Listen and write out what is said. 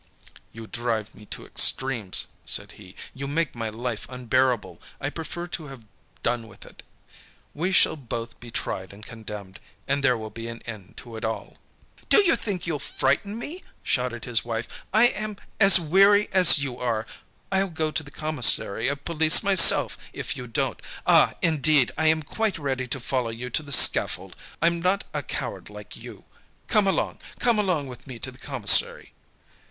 "You drive me to extremes," said he, "you make my life unbearable. I prefer to have done with it. We shall both be tried and condemned. And there will be an end to it all." "Do you think you'll frighten me?" shouted his wife. "I am as weary as you are. I'll go to the commissary of police myself, if you don't. Ah! Indeed, I am quite ready to follow you to the scaffold, I'm not a coward like you. Come along, come along with me to the commissary."